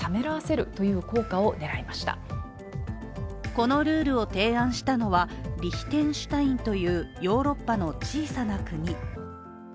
このルールを提案したのは、リヒテンシュタインというヨーロッパの小さな国。